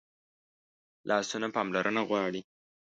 لاسونه پاملرنه غواړي